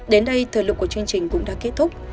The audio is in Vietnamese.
đến đây thời lượng của chương trình cũng đã kết thúc